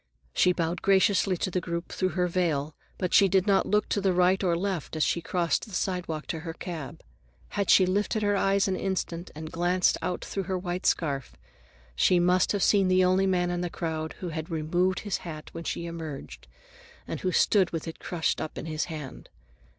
She bowed graciously to the group, through her veil, but she did not look to the right or left as she crossed the sidewalk to her cab. Had she lifted her eyes an instant and glanced out through her white scarf, she must have seen the only man in the crowd who had removed his hat when she emerged, and who stood with it crushed up in his hand.